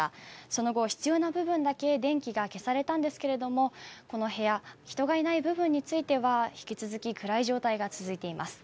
その後、必要な部分だけ電気が消されたんですけれどもこの部屋人がいない部分については引き続き暗い状態が続いています。